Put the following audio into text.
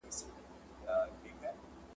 له شامته چی یې زرکي دام ته تللې ,